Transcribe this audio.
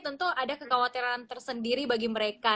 tentu ada kekhawatiran tersendiri bagi mereka